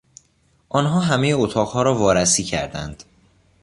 آنها همهی اتاقها را وارسی کردند.